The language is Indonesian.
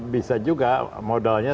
bisa juga modalnya